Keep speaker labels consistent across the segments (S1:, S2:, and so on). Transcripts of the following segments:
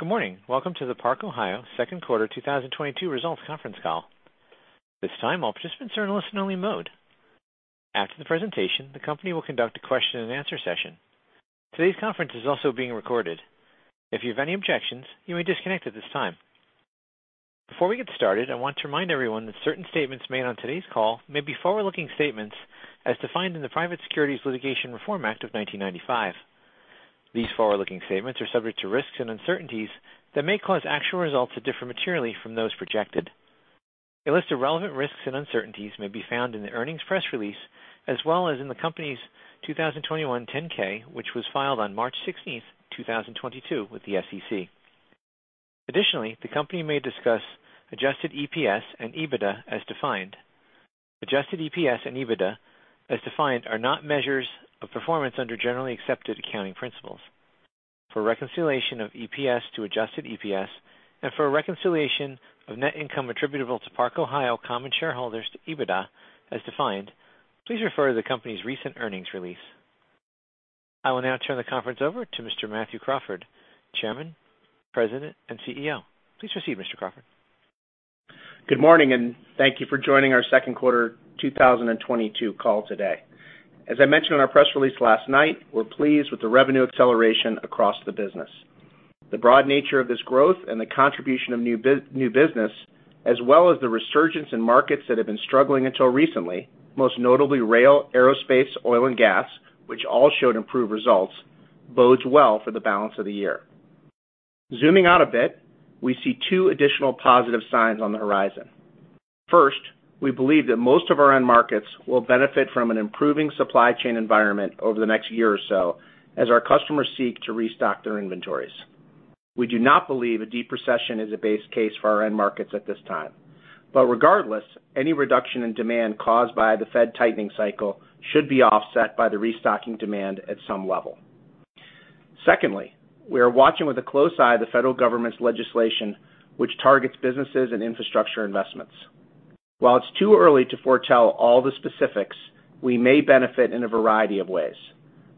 S1: Good morning. Welcome to the Park-Ohio second quarter 2022 results conference call. This time, all participants are in listen only mode. After the presentation, the company will conduct a question and answer session. Today's conference is also being recorded. If you have any objections, you may disconnect at this time. Before we get started, I want to remind everyone that certain statements made on today's call may be forward-looking statements as defined in the Private Securities Litigation Reform Act of 1995. These forward-looking statements are subject to risks and uncertainties that may cause actual results to differ materially from those projected. A list of relevant risks and uncertainties may be found in the earnings press release, as well as in the Company's 2021 10-K, which was filed on March 16, 2022 with the SEC. Additionally, the company may discuss adjusted EPS and EBITDA as defined. Adjusted EPS and EBITDA as defined are not measures of performance under generally accepted accounting principles. For reconciliation of EPS to adjusted EPS and for a reconciliation of net income attributable to Park-Ohio common shareholders to EBITDA as defined, please refer to the company's recent earnings release. I will now turn the conference over to Mr. Matthew V. Crawford, Chairman, President, and CEO. Please proceed, Mr. Crawford.
S2: Good morning, and thank you for joining our second quarter 2022 call today. As I mentioned in our press release last night, we're pleased with the revenue acceleration across the business. The broad nature of this growth and the contribution of new business, as well as the resurgence in markets that have been struggling until recently, most notably rail, aerospace, oil and gas, which all showed improved results, bodes well for the balance of the year. Zooming out a bit, we see two additional positive signs on the horizon. First, we believe that most of our end markets will benefit from an improving supply chain environment over the next year or so as our customers seek to restock their inventories. We do not believe a deep recession is a base case for our end markets at this time. Regardless, any reduction in demand caused by the Fed tightening cycle should be offset by the restocking demand at some level. Secondly, we are watching with a close eye the federal government's legislation, which targets businesses and infrastructure investments. While it's too early to foretell all the specifics, we may benefit in a variety of ways.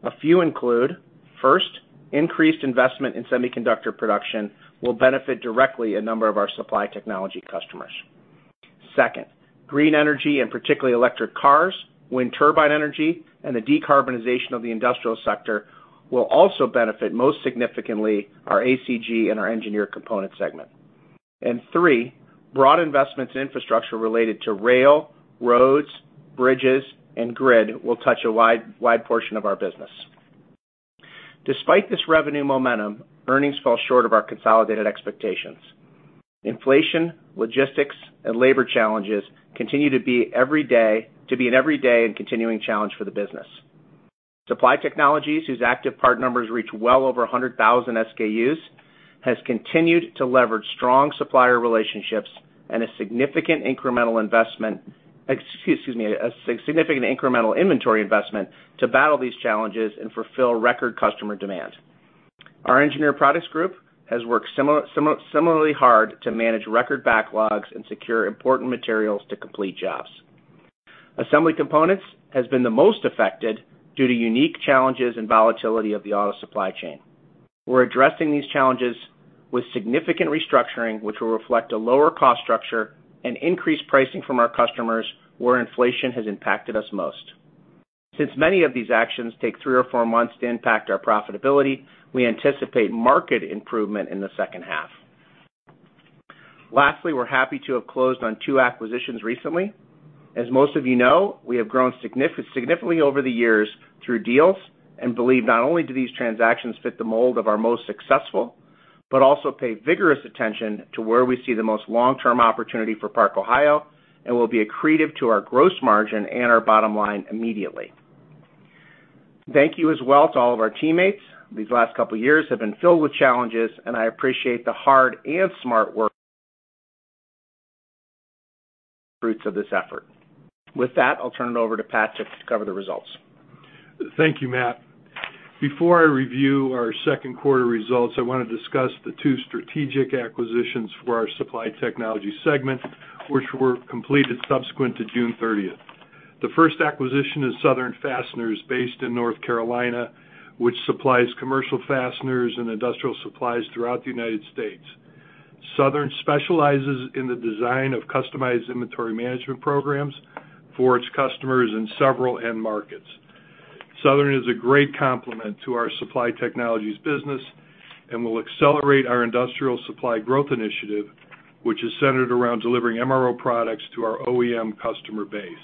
S2: A few include, first, increased investment in semiconductor production will benefit directly a number of our Supply Technologies customers. Second, green energy and particularly electric cars, wind turbine energy, and the decarbonization of the industrial sector will also benefit most significantly our Assembly Components and our Engineered Products segment. Three, broad investments in infrastructure related to rail, roads, bridges, and grid will touch a wide portion of our business. Despite this revenue momentum, earnings fell short of our consolidated expectations. Inflation, logistics, and labor challenges continue to be an everyday and continuing challenge for the business. Supply Technologies, whose active part numbers reach well over 100,000 SKUs, has continued to leverage strong supplier relationships and a significant incremental inventory investment to battle these challenges and fulfill record customer demand. Our Engineered Products group has worked similarly hard to manage record backlogs and secure important materials to complete jobs. Assembly Components has been the most affected due to unique challenges and volatility of the auto supply chain. We're addressing these challenges with significant restructuring, which will reflect a lower cost structure and increased pricing from our customers where inflation has impacted us most. Since many of these actions take three or four months to impact our profitability, we anticipate market improvement in the second half. Lastly, we're happy to have closed on two acquisitions recently. As most of you know, we have grown significantly over the years through deals and believe not only do these transactions fit the mold of our most successful, but also pay rigorous attention to where we see the most long-term opportunity for Park-Ohio and will be accretive to our gross margin and our bottom line immediately. Thank you as well to all of our teammates. These last couple of years have been filled with challenges, and I appreciate the hard and smart work fruits of this effort. With that, I'll turn it over to Pat to cover the results.
S3: Thank you, Matt. Before I review our second quarter results, I want to discuss the two strategic acquisitions for our Supply Technologies segment, which were completed subsequent to June 30. The first acquisition is Southern Fasteners, based in North Carolina, which supplies commercial fasteners and industrial supplies throughout the United States. Southern specializes in the design of customized inventory management programs for its customers in several end markets. Southern is a great complement to our Supply Technologies business and will accelerate our industrial supply growth initiative, which is centered around delivering MRO products to our OEM customer base.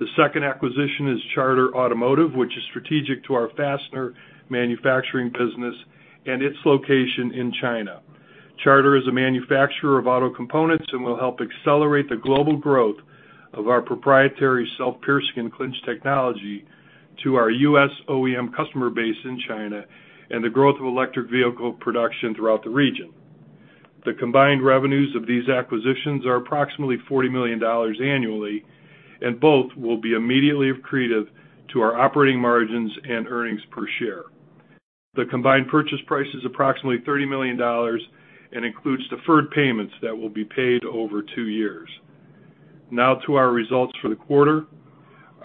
S3: The second acquisition is Charter Automotive, which is strategic to our fastener manufacturing business and its location in China. Charter is a manufacturer of auto components and will help accelerate the global growth of our proprietary self-piercing and clinch technology to our U.S. OEM customer base in China and the growth of electric vehicle production throughout the region. The combined revenues of these acquisitions are approximately $40 million annually, and both will be immediately accretive to our operating margins and earnings per share. The combined purchase price is approximately $30 million and includes deferred payments that will be paid over two years. Now to our results for the quarter.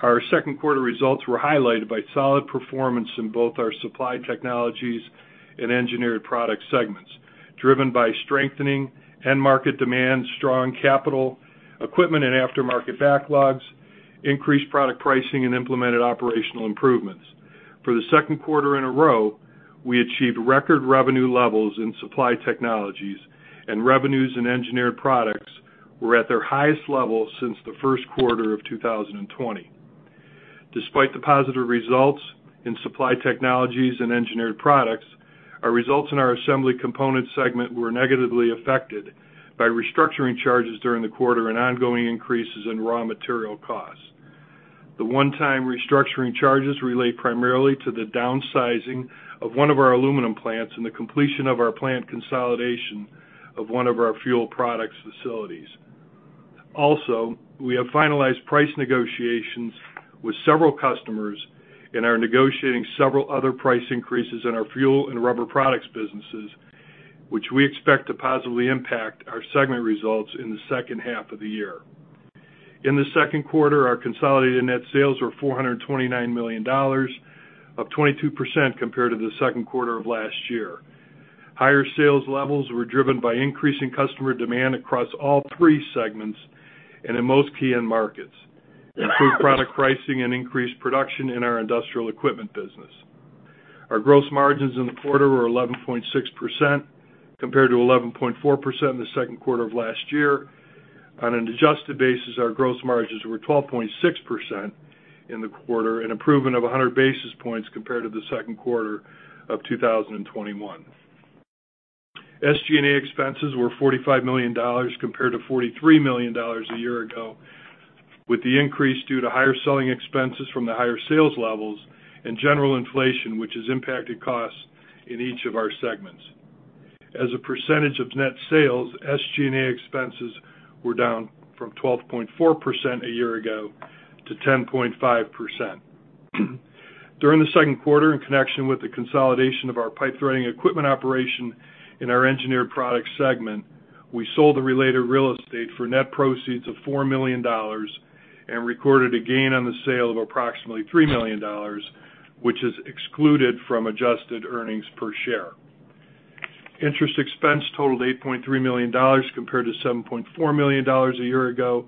S3: Our second quarter results were highlighted by solid performance in both our Supply Technologies and Engineered Products segments, driven by strengthening end market demand, strong capital equipment and aftermarket backlogs, increased product pricing and implemented operational improvements. For the second quarter in a row, we achieved record revenue levels in Supply Technologies and revenues in Engineered Products were at their highest level since the first quarter of 2020. Despite the positive results in Supply Technologies and Engineered Products, our results in our Assembly Components segment were negatively affected by restructuring charges during the quarter and ongoing increases in raw material costs. The one-time restructuring charges relate primarily to the downsizing of one of our aluminum plants and the completion of our plant consolidation of one of our fuel products facilities. Also, we have finalized price negotiations with several customers and are negotiating several other price increases in our fuel and rubber products businesses, which we expect to positively impact our segment results in the second half of the year. In the second quarter, our consolidated net sales were $429 million, up 22% compared to the second quarter of last year. Higher sales levels were driven by increasing customer demand across all three segments and in most key end markets, improved product pricing and increased production in our industrial equipment business. Our gross margins in the quarter were 11.6% compared to 11.4% in the second quarter of last year. On an adjusted basis, our gross margins were 12.6% in the quarter, an improvement of 100 basis points compared to the second quarter of 2021. SG&A expenses were $45 million compared to $43 million a year ago, with the increase due to higher selling expenses from the higher sales levels and general inflation, which has impacted costs in each of our segments. As a percentage of net sales, SG&A expenses were down from 12.4% a year ago to 10.5%. During the second quarter, in connection with the consolidation of our pipe threading equipment operation in our Engineered Products segment, we sold the related real estate for net proceeds of $4 million and recorded a gain on the sale of approximately $3 million, which is excluded from adjusted earnings per share. Interest expense totaled $8.3 million compared to $7.4 million a year ago,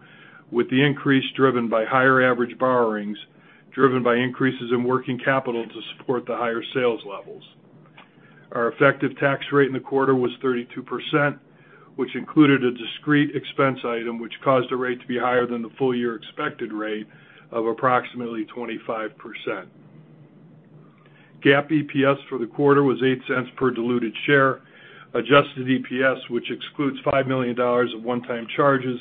S3: with the increase driven by higher average borrowings, driven by increases in working capital to support the higher sales levels. Our effective tax rate in the quarter was 32%, which included a discrete expense item, which caused the rate to be higher than the full year expected rate of approximately 25%. GAAP EPS for the quarter was $0.08 per diluted share. Adjusted EPS, which excludes $5 million of one-time charges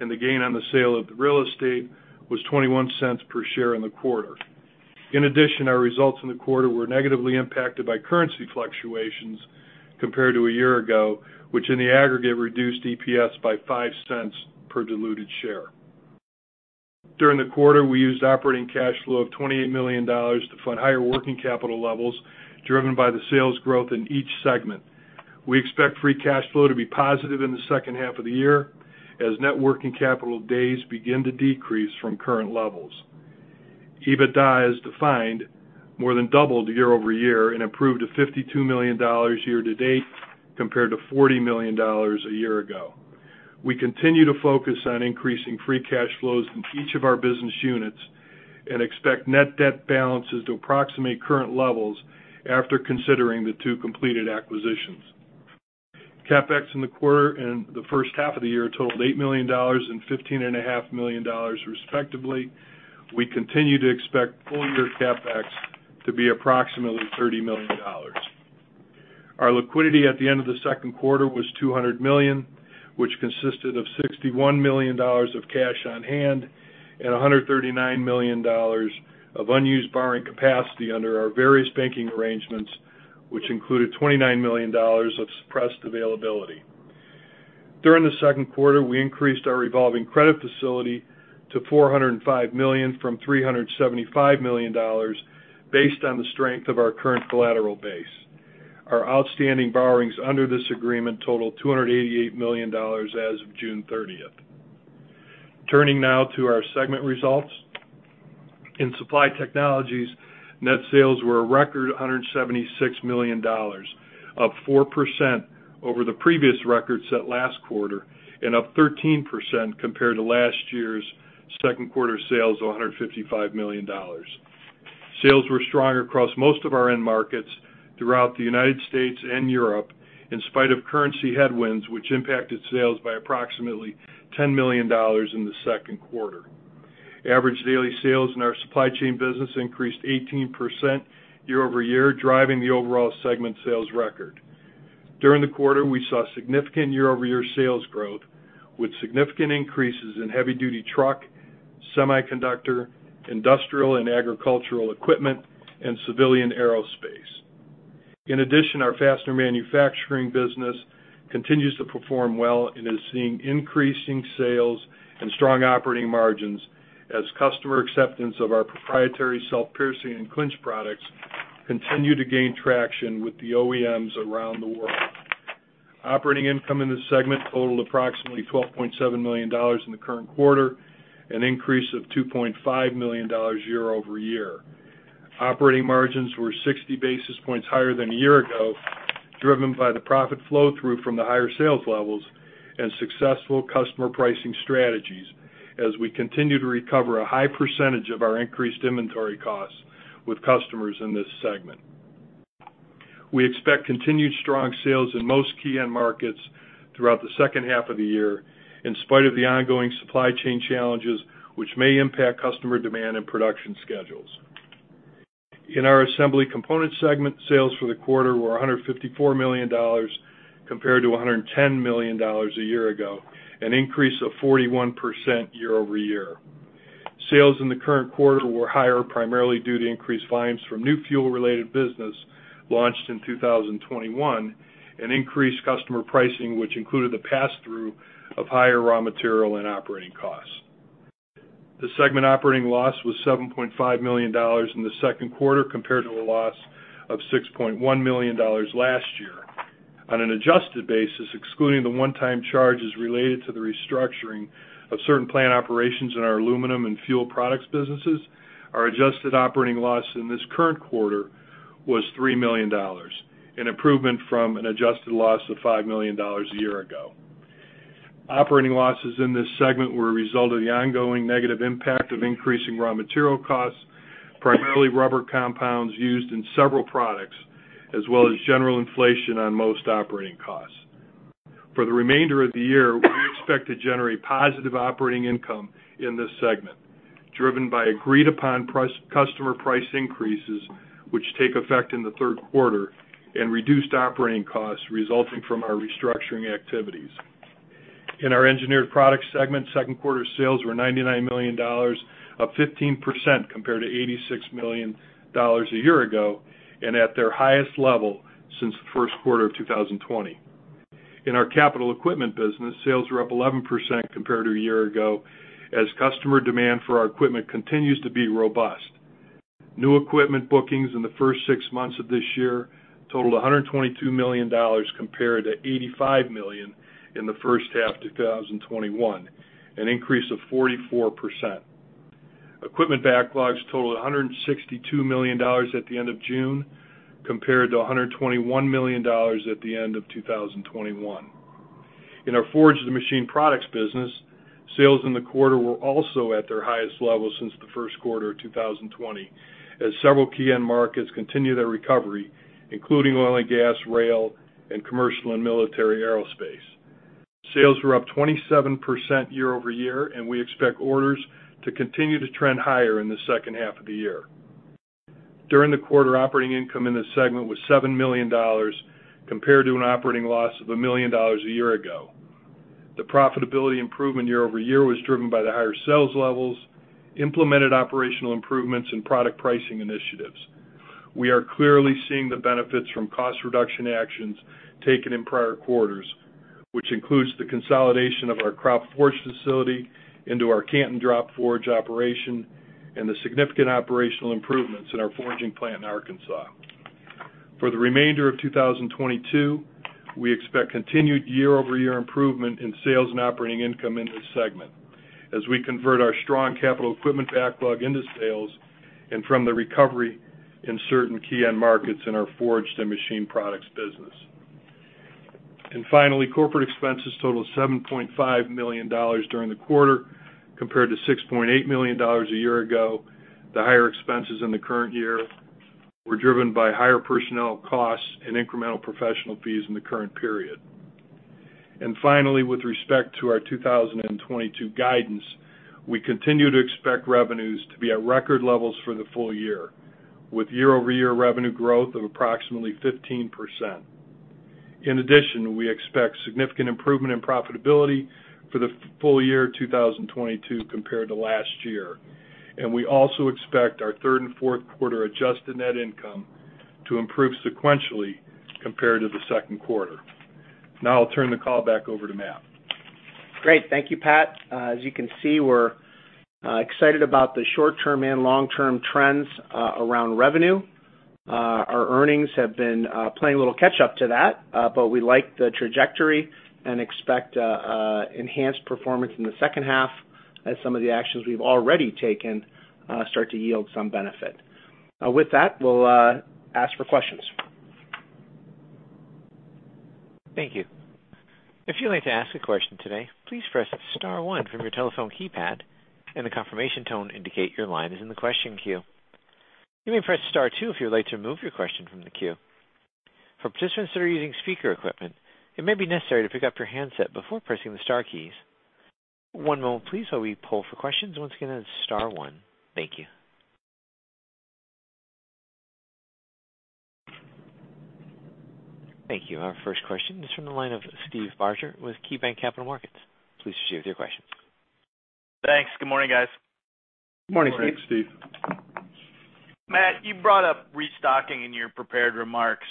S3: and the gain on the sale of the real estate, was $0.21 per share in the quarter. In addition, our results in the quarter were negatively impacted by currency fluctuations compared to a year ago, which in the aggregate reduced EPS by $0.05 per diluted share. During the quarter, we used operating cash flow of $28 million to fund higher working capital levels, driven by the sales growth in each segment. We expect free cash flow to be positive in the second half of the year as net working capital days begin to decrease from current levels. EBITDA, as defined, more than doubled year-over-year and improved to $52 million year to date compared to $40 million a year ago. We continue to focus on increasing free cash flows in each of our business units and expect net debt balances to approximate current levels after considering the two completed acquisitions. CapEx in the quarter and the first half of the year totaled $8 million and $15.5 million, respectively. We continue to expect full year CapEx to be approximately $30 million. Our liquidity at the end of the second quarter was $200 million, which consisted of $61 million of cash on hand and $139 million of unused borrowing capacity under our various banking arrangements, which included $29 million of suppressed availability. During the second quarter, we increased our revolving credit facility to $405 million from $375 million based on the strength of our current collateral base. Our outstanding borrowings under this agreement totaled $288 million as of June thirtieth. Turning now to our segment results. In Supply Technologies, net sales were a record $176 million, up 4% over the previous record set last quarter and up 13% compared to last year's second quarter sales of $155 million. Sales were strong across most of our end markets throughout the United States and Europe, in spite of currency headwinds which impacted sales by approximately $10 million in the second quarter. Average daily sales in our supply chain business increased 18% year-over-year, driving the overall segment sales record. During the quarter, we saw significant year-over-year sales growth, with significant increases in heavy-duty truck, semiconductor, industrial and agricultural equipment, and civilian aerospace. In addition, our fastener manufacturing business continues to perform well and is seeing increasing sales and strong operating margins as customer acceptance of our proprietary self-piercing and clinch products continue to gain traction with the OEMs around the world. Operating income in this segment totaled approximately $12.7 million in the current quarter, an increase of $2.5 million year-over-year. Operating margins were 60 basis points higher than a year ago, driven by the profit flow through from the higher sales levels and successful customer pricing strategies as we continue to recover a high percentage of our increased inventory costs with customers in this segment. We expect continued strong sales in most key end markets throughout the second half of the year, in spite of the ongoing supply chain challenges, which may impact customer demand and production schedules. In our Assembly Components segment, sales for the quarter were $154 million compared to $110 million a year ago, an increase of 41% year-over-year. Sales in the current quarter were higher, primarily due to increased volumes from new fuel-related business launched in 2021, and increased customer pricing, which included the passthrough of higher raw material and operating costs. The segment operating loss was $7.5 million in the second quarter compared to a loss of $6.1 million last year. On an adjusted basis, excluding the one-time charges related to the restructuring of certain plant operations in our aluminum and fuel products businesses, our adjusted operating loss in this current quarter was $3 million, an improvement from an adjusted loss of $5 million a year ago. Operating losses in this segment were a result of the ongoing negative impact of increasing raw material costs, primarily rubber compounds used in several products, as well as general inflation on most operating costs. For the remainder of the year, we expect to generate positive operating income in this segment, driven by agreed-upon customer price increases, which take effect in the third quarter, and reduced operating costs resulting from our restructuring activities. In our Engineered Products segment, second quarter sales were $99 million, up 15% compared to $86 million a year ago, and at their highest level since the first quarter of 2020. In our capital equipment business, sales were up 11% compared to a year ago, as customer demand for our equipment continues to be robust. New equipment bookings in the first six months of this year totaled $122 million compared to $85 million in the first half of 2021, an increase of 44%. Equipment backlogs totaled $162 million at the end of June, compared to $121 million at the end of 2021. In our forged and machined products business, sales in the quarter were also at their highest level since the first quarter of 2020 as several key end markets continue their recovery, including oil and gas, rail, and commercial and military aerospace. Sales were up 27% year-over-year, and we expect orders to continue to trend higher in the second half of the year. During the quarter, operating income in this segment was $7 million compared to an operating loss of $1 million a year ago. The profitability improvement year-over-year was driven by the higher sales levels, implemented operational improvements and product pricing initiatives. We are clearly seeing the benefits from cost reduction actions taken in prior quarters, which includes the consolidation of our Kropp Forge facility into our Canton Drop Forge operation and the significant operational improvements in our forging plant in Arkansas. For the remainder of 2022, we expect continued year-over-year improvement in sales and operating income in this segment as we convert our strong capital equipment backlog into sales and from the recovery in certain key end markets in our forged and machined products business. Finally, corporate expenses totaled $7.5 million during the quarter, compared to $6.8 million a year ago. The higher expenses in the current year were driven by higher personnel costs and incremental professional fees in the current period. Finally, with respect to our 2022 guidance, we continue to expect revenues to be at record levels for the full year, with year-over-year revenue growth of approximately 15%. In addition, we expect significant improvement in profitability for the full year 2022 compared to last year. We also expect our third and fourth quarter adjusted net income to improve sequentially compared to the second quarter. Now I'll turn the call back over to Matt.
S2: Great. Thank you, Pat. As you can see, we're excited about the short-term and long-term trends around revenue. Our earnings have been playing a little catch up to that, but we like the trajectory and expect an enhanced performance in the second half as some of the actions we've already taken start to yield some benefit. With that, we'll ask for questions.
S1: Thank you. If you'd like to ask a question today, please press star one from your telephone keypad, and a confirmation tone indicate your line is in the question queue. You may press star two if you'd like to remove your question from the queue. For participants that are using speaker equipment, it may be necessary to pick up your handset before pressing the star keys. One moment please, while we pull for questions. Once again, that's star one. Thank you. Thank you. Our first question is from the line of Steve Barger with KeyBanc Capital Markets. Please proceed with your question.
S4: Thanks. Good morning, guys.
S2: Morning, Steve.
S4: Matt, you brought up restocking in your prepared remarks.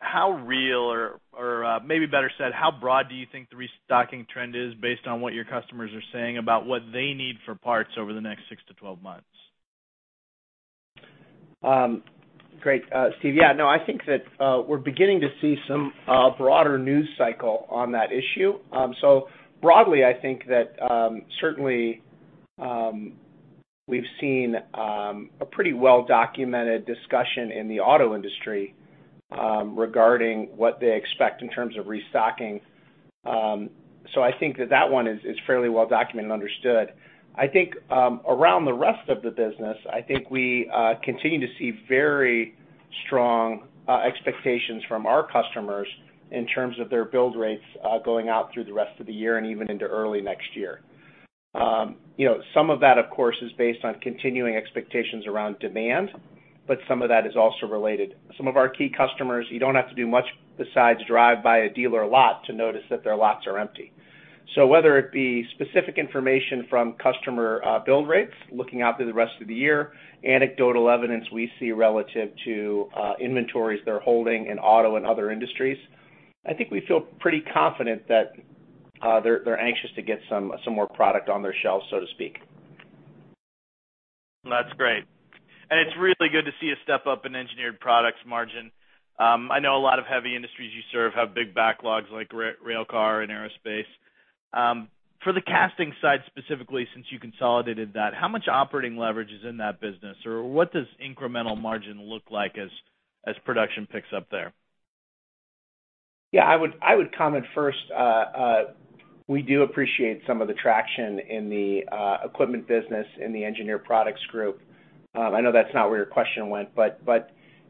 S4: How real or maybe better said, how broad do you think the restocking trend is based on what your customers are saying about what they need for parts over the next 6-12 months?
S2: Great, Steve. Yeah, no, I think that we're beginning to see some broader news cycle on that issue. Broadly, I think that certainly we've seen a pretty well-documented discussion in the auto industry regarding what they expect in terms of restocking. I think that that one is fairly well documented and understood. I think around the rest of the business, I think we continue to see very strong expectations from our customers in terms of their build rates going out through the rest of the year and even into early next year. You know, some of that, of course, is based on continuing expectations around demand, but some of that is also related. Some of our key customers, you don't have to do much besides drive by a dealer lot to notice that their lots are empty. Whether it be specific information from customer build rates looking out through the rest of the year, anecdotal evidence we see relative to inventories they're holding in auto and other industries, I think we feel pretty confident that they're anxious to get some more product on their shelves, so to speak.
S4: That's great. It's really good to see a step up in Engineered Products margin. I know a lot of heavy industries you serve have big backlogs like rail car and aerospace. For the casting side, specifically, since you consolidated that, how much operating leverage is in that business? Or what does incremental margin look like as production picks up there?
S2: Yeah, I would comment first, we do appreciate some of the traction in the equipment business in the Engineered Products group. I know that's not where your question went, but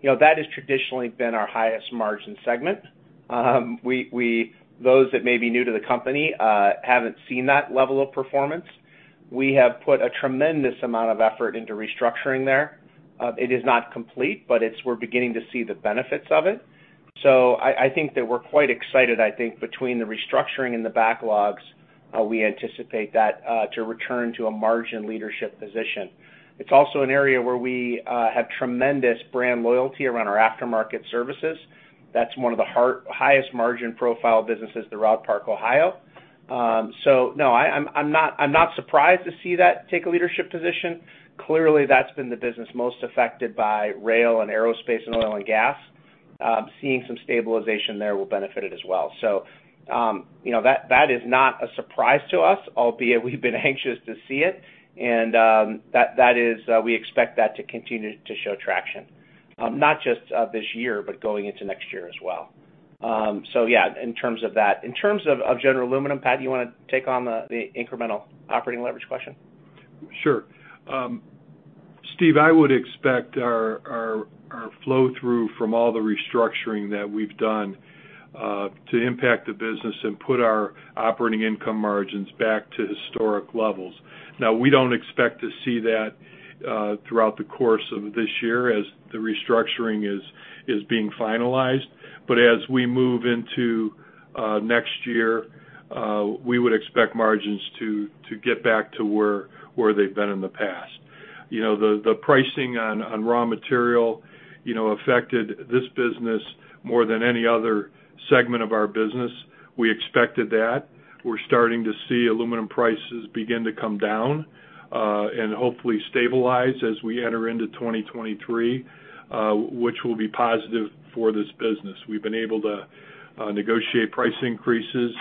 S2: you know, that has traditionally been our highest margin segment. Those that may be new to the company haven't seen that level of performance. We have put a tremendous amount of effort into restructuring there. It is not complete, but we're beginning to see the benefits of it. I think that we're quite excited. I think between the restructuring and the backlogs, we anticipate that to return to a margin leadership position. It's also an area where we have tremendous brand loyalty around our aftermarket services. That's one of the highest margin profile businesses for Park-Ohio. No, I'm not surprised to see that take a leadership position. Clearly, that's been the business most affected by rail and aerospace and oil and gas. Seeing some stabilization there will benefit it as well. You know, that is not a surprise to us, albeit we've been anxious to see it. That is. We expect that to continue to show traction, not just this year, but going into next year as well. Yeah, in terms of that. In terms of general aluminum, Pat, do you wanna take on the incremental operating leverage question?
S3: Sure. Steve, I would expect our flow-through from all the restructuring that we've done to impact the business and put our operating income margins back to historic levels. Now, we don't expect to see that throughout the course of this year as the restructuring is being finalized. As we move into next year, we would expect margins to get back to where they've been in the past. You know, the pricing on raw material, you know, affected this business more than any other segment of our business. We expected that. We're starting to see aluminum prices begin to come down and hopefully stabilize as we enter into 2023, which will be positive for this business. We've been able to negotiate price increases.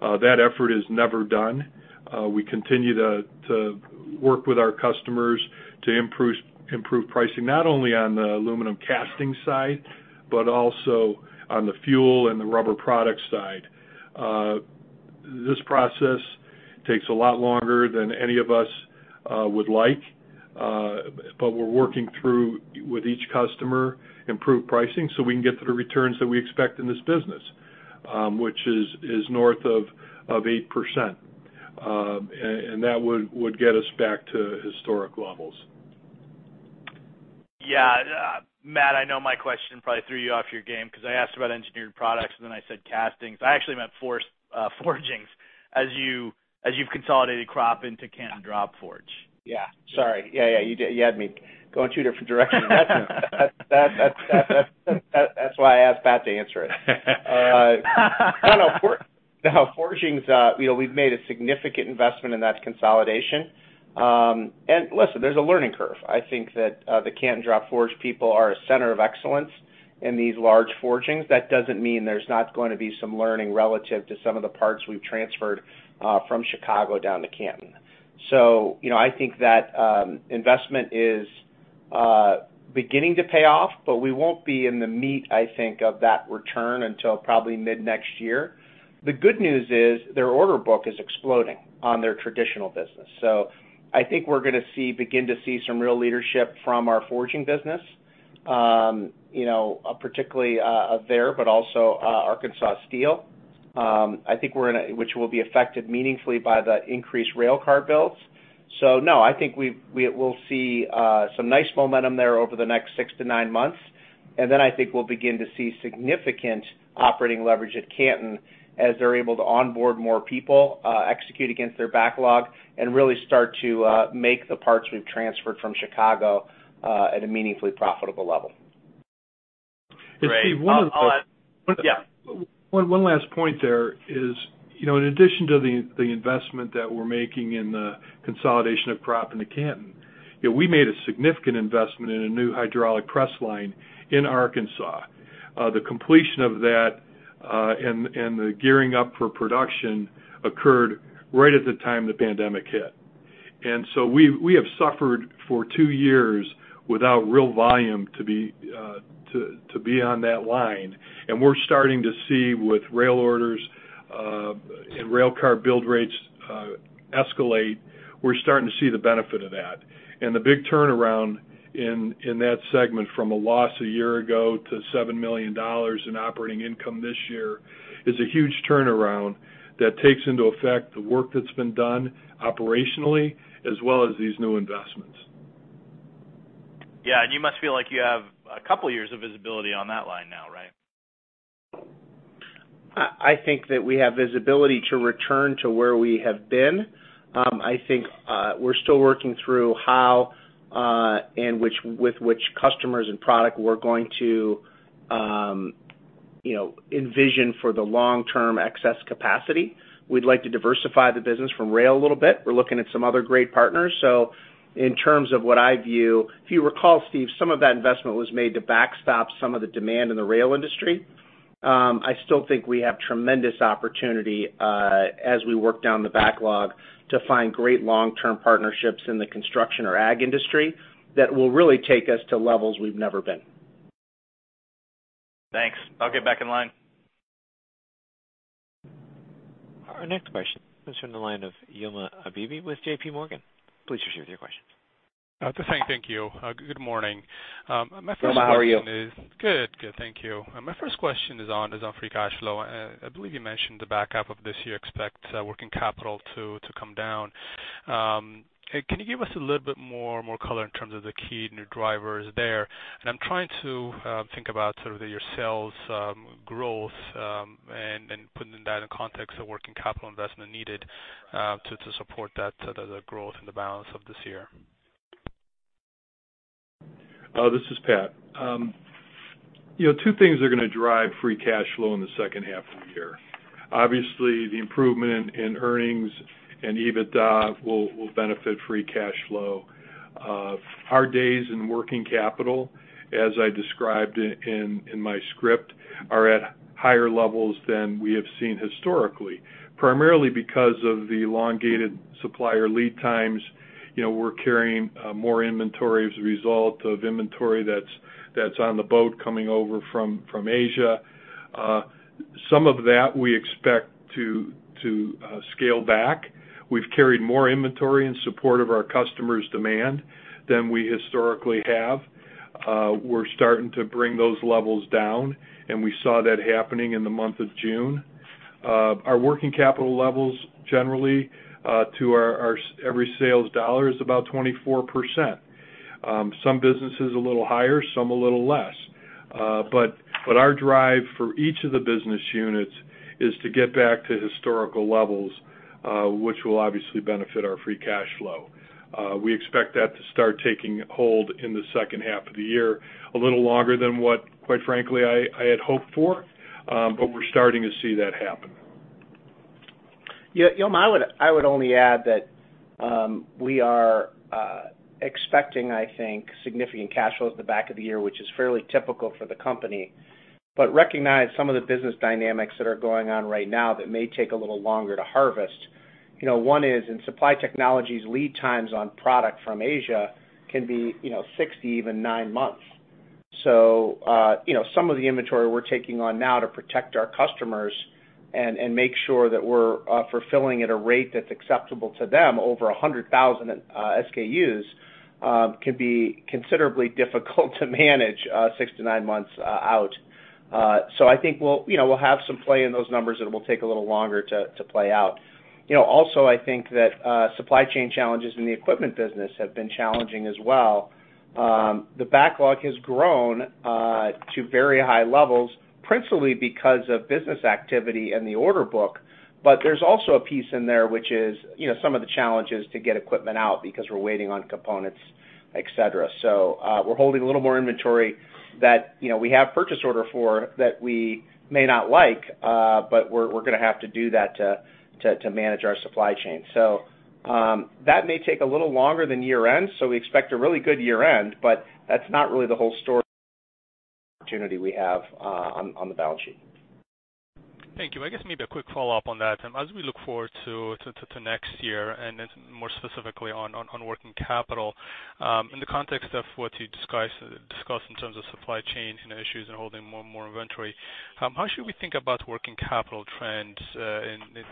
S3: That effort is never done. We continue to work with our customers to improve pricing, no t only on the aluminum casting side, but also on the fuel and the rubber product side. This process takes a lot longer than any of us would like, but we're working through with each customer improved pricing, so we can get to the returns that we expect in this business, which is north of 8%. That would get us back to historic levels.
S4: Yeah. Matt, I know my question probably threw you off your game 'cause I asked about Engineered Products, and then I said castings. I actually meant forgings as you've consolidated Kropp Forge into Canton Drop Forge.
S2: Yeah. Sorry. Yeah, you did. You had me going two different directions. That's why I asked Pat to answer it. No, forgings, you know, we've made a significant investment in that consolidation. Listen, there's a learning curve. I think that the Canton Drop Forge people are a center of excellence in these large forgings. That doesn't mean there's not gonna be some learning relative to some of the parts we've transferred from Chicago down to Canton. You know, I think that investment is beginning to pay off, but we won't be in the meat, I think, of that return until probably mid-next year. The good news is their order book is exploding on their traditional business. I think we're gonna begin to see some real leadership from our forging business, you know, particularly there, but also Arkansas Steel, which will be affected meaningfully by the increased rail car builds. No, I think we'll see some nice momentum there over the next six to nine months. Then I think we'll begin to see significant operating leverage at Canton as they're able to onboard more people, execute against their backlog, and really start to make the parts we've transferred from Chicago at a meaningfully profitable level.
S3: It's one of the-
S2: Yeah.
S3: One last point there is, you know, in addition to the investment that we're making in the consolidation of Kropp Forge and the Canton Drop Forge, we made a significant investment in a new hydraulic press line in Arkansas. The completion of that and the gearing up for production occurred right at the time the pandemic hit. We have suffered for two years without real volume to be on that line. We're starting to see with rail orders and rail car build rates escalate, we're starting to see the benefit of that. The big turnaround in that segment from a loss a year ago to $7 million in operating income this year is a huge turnaround that takes into effect the work that's been done operationally as well as these new investments.
S2: Yeah. You must feel like you have a couple of years of visibility on that line now, right?
S3: I think that we have visibility to return to where we have been. I think we're still working through with which customers and product we're going to you know envision for the long-term excess capacity. We'd like to diversify the business from rail a little bit. We're looking at some other great partners. In terms of what I view, if you recall, Steve, some of that investment was made to backstop some of the demand in the rail industry. I still think we have tremendous opportunity as we work down the backlog to find great long-term partnerships in the construction or ag industry that will really take us to levels we've never been.
S4: Thanks. I'll get back in line.
S1: Our next question comes from the line of Yilma Abebe with JPMorgan. Please proceed with your question.
S5: Thank you. Good morning. My first question is.
S2: Yilma, how are you?
S5: Good. Thank you. My first question is on free cash flow. I believe you mentioned the back half of this year expects working capital to come down. Can you give us a little bit more color in terms of the key new drivers there? I'm trying to think about sort of your sales growth and putting that in context of working capital investment needed to support that, the growth and the balance of this year.
S3: This is Pat. You know, two things are gonna drive free cash flow in the second half of the year. Obviously, the improvement in earnings and EBITDA will benefit free cash flow. Our days in working capital, as I described in my script, are at higher levels than we have seen historically, primarily because of the elongated supplier lead times. You know, we're carrying more inventory as a result of inventory that's on the boat coming over from Asia. Some of that we expect to scale back. We've carried more inventory in support of our customers' demand than we historically have. We're starting to bring those levels down, and we saw that happening in the month of June. Our working capital levels generally are about 24% of every sales dollar. Some businesses a little higher, some a little less. Our drive for each of the business units is to get back to historical levels, which will obviously benefit our free cash flow. We expect that to start taking hold in the second half of the year, a little longer than what, quite frankly, I had hoped for, but we're starting to see that happen.
S2: Yeah. Yilma, I would only add that we are expecting, I think, significant cash flow at the back of the year, which is fairly typical for the company. Recognize some of the business dynamics that are going on right now that may take a little longer to harvest. You know, one is in Supply Technologies, lead times on product from Asia can be, you know, 60, even 90 months. So, you know, some of the inventory we're taking on now to protect our customers and make sure that we're fulfilling at a rate that's acceptable to them over 100,000 SKUs can be considerably difficult to manage six to nine months out. So I think we'll have some play in those numbers that will take a little longer to play out. You know, also, I think that supply chain challenges in the equipment business have been challenging as well. The backlog has grown to very high levels, principally because of business activity in the order book. There's also a piece in there which is, you know, some of the challenges to get equipment out because we're waiting on components, et cetera. We're holding a little more inventory that, you know, we have purchase order for that we may not like, but we're gonna have to do that to manage our supply chain. That may take a little longer than year-end, so we expect a really good year-end, but that's not really the whole story opportunity we have on the balance sheet.
S5: Thank you. I guess maybe a quick follow-up on that. As we look forward to next year and then more specifically on working capital, in the context of what you discussed in terms of supply chain and issues and holding more and more inventory, how should we think about working capital trends,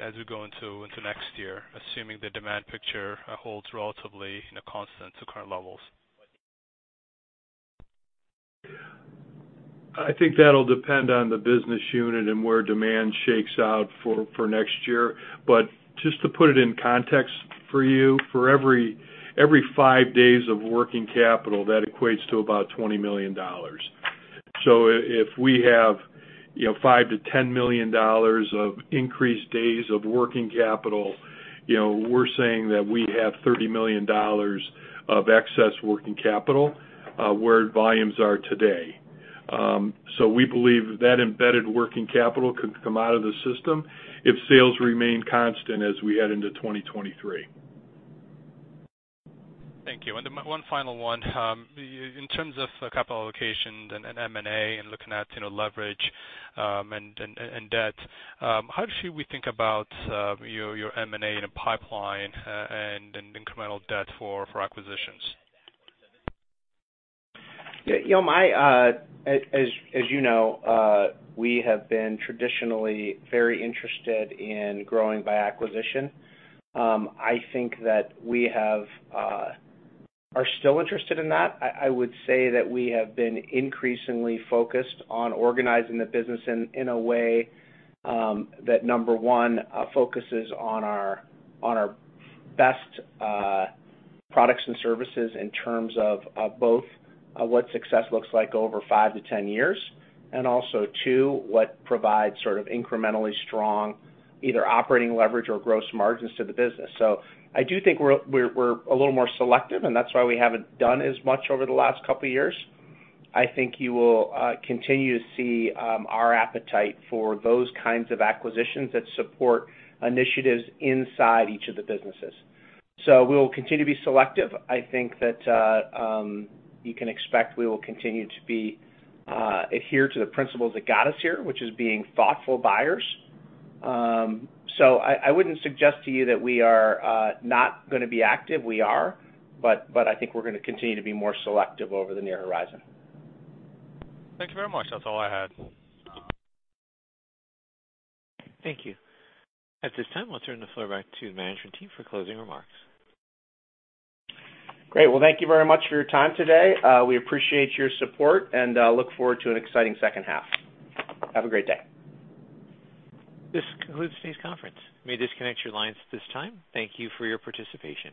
S5: as we go into next year, assuming the demand picture holds relatively constant to current levels?
S3: I think that'll depend on the business unit and where demand shakes out for next year. Just to put it in context for you, for every five days of working capital, that equates to about $20 million. If we have, you know, $5 million-$10 million of increased days of working capital, you know, we're saying that we have $30 million of excess working capital where volumes are today. We believe that embedded working capital could come out of the system if sales remain constant as we head into 2023.
S5: Thank you. The one final one. In terms of capital allocation and M&A and looking at, you know, leverage, and debt, how should we think about your M&A in a pipeline and in incremental debt for acquisitions?
S2: Yeah, you know, as you know, we have been traditionally very interested in growing by acquisition. I think that we are still interested in that. I would say that we have been increasingly focused on organizing the business in a way that, number one, focuses on our best products and services in terms of both what success looks like over 5 to 10 years, and also two, what provides sort of incrementally strong either operating leverage or gross margins to the business. I do think we're a little more selective, and that's why we haven't done as much over the last couple of years. I think you will continue to see our appetite for those kinds of acquisitions that support initiatives inside each of the businesses. We'll continue to be selective. I think that you can expect we will continue to adhere to the principles that got us here, which is being thoughtful buyers. I wouldn't suggest to you that we are not gonna be active, we are, but I think we're gonna continue to be more selective over the near horizon.
S5: Thank you very much. That's all I had.
S1: Thank you. At this time, I'll turn the floor back to management team for closing remarks.
S2: Great. Well, thank you very much for your time today. We appreciate your support, and look forward to an exciting second half. Have a great day.
S1: This concludes today's conference. You may disconnect your lines at this time. Thank you for your participation.